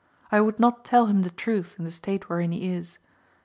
I would not tell him the truth in the 'state wherein he is.